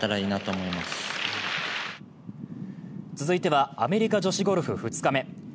続いては、アメリカ女子ゴルフ２日目。